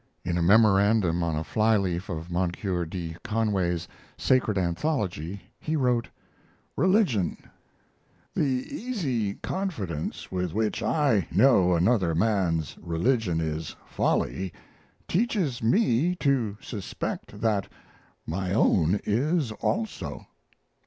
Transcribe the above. In a memorandum on a fly leaf of Moncure D. Conway's Sacred Anthology he wrote: RELIGION The easy confidence with which I know another man's religion is folly teaches me to suspect that my own is also.